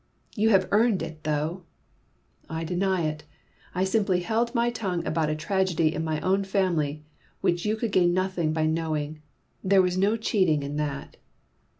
"You have earned it, though!" "I deny it. I simply held my tongue about a tragedy in my own family which you could gain nothing by knowing. There was no cheating in that."